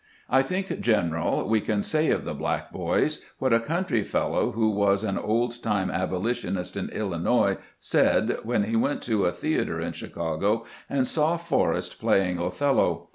I think, general, we can say of the black boys what a country fellow who was an old time abolitionist in Illinois said when he went to a the ater in Chicago and saw Forrest playing Othello.